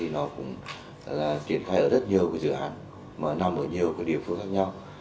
nó cũng triển khai ở rất nhiều dự án mà nằm ở nhiều địa phương khác nhau